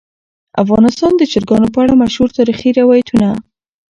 افغانستان د چرګانو په اړه مشهور تاریخی روایتونه.